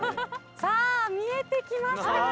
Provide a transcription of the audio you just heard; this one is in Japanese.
さあ見えてきました